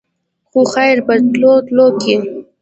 خو خېر په تلو تلو کښې